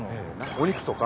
お肉とか。